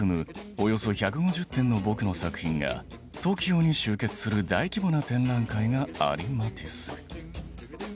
およそ１５０点の僕の作品がトキオに集結する大規模な展覧会がありマティス。